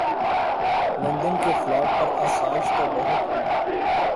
London کے flat پر آسائش تو بہت ہوں۔